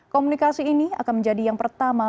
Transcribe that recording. komunikasi ini akan menjadi yang pertama